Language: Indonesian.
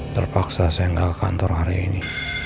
terpaksa saya gak ke kantor hari ini